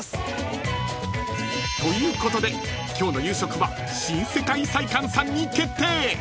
［ということで今日の夕食は新世界菜館さんに決定！］